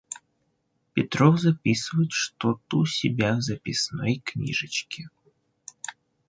Петров записывает что-то у себя в записной книжечке.